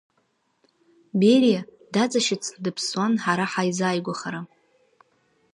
Бериа даҵашьыцны дыԥсуан ҳара ҳаизааигәахара.